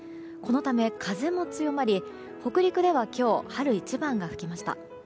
このため風も強まり北陸では今日春一番が吹きました。